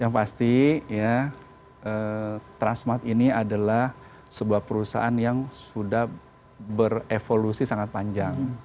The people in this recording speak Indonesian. yang pasti transmart ini adalah sebuah perusahaan yang sudah berevolusi sangat panjang